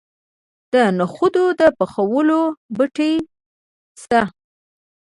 د نخودو د پخولو بټۍ شته.